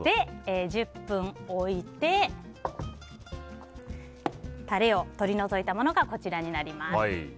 １０分置いてタレを取り除いたものがこちらになります。